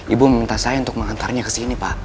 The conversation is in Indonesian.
ibu meminta saya untuk mengantarnya kesini pak